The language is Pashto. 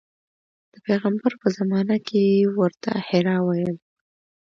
د پیغمبر په زمانه کې یې ورته حرا ویل.